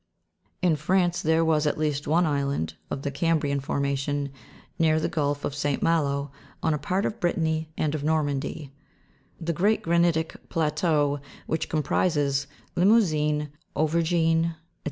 In France, there was at least one island, of the Cambrian formation, near the gulf of St. Malo, on a part of Brittany and of Nor mandy; the great granitic plateau, w r hich comprises Limousin, Au vergne, &c.